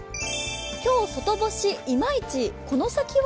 今日外干しいまいちこの先は？